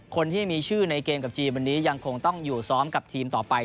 คนที่มีชื่อในเกมกับจีนวันนี้ยังคงต้องอยู่ซ้อมกับทีมต่อไป